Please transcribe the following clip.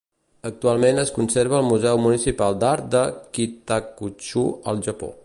Actualment es conserva al Museu Municipal d'Art de Kitakyūshū, al Japó.